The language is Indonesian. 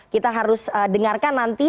kita harus dengarkan nanti